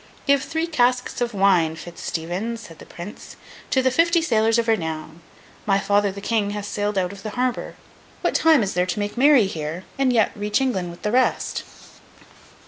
'Give three casks of wine, Fitz Stephen,' said the Prince, 'to the fifty sailors of renown! My father the King has sailed out of the harbour. What time is there to make merry here, and yet reach England with the rest?